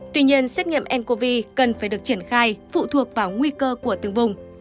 tuy nhiên xét nghiệm ncov cần phải được triển khai phụ thuộc vào nguy cơ của từng vùng